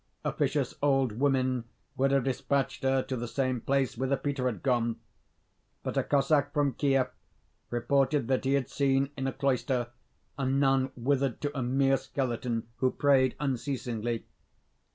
Officious old women would have despatched her to the same place whither Peter had gone; but a Cossack from Kief reported that he had seen, in a cloister, a nun withered to a mere skeleton who prayed unceasingly.